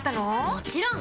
もちろん！